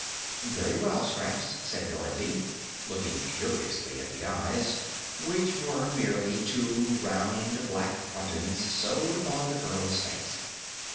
"Very well, Scraps," said Dorothy, looking curiously at the eyes, which were merely two round, black buttons sewed upon the girl's face.